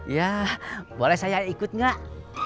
ya boleh saya ikut nggak